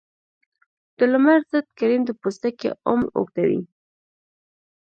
د لمر ضد کریم د پوستکي عمر اوږدوي.